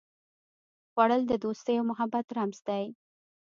خوړل د دوستي او محبت رمز دی